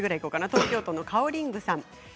東京都の方です。